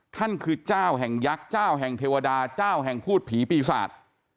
ท่านคือเจ้าแห่งยักษ์เจ้าแห่งเทวดาเจ้าแห่งพูดผีปีศาจ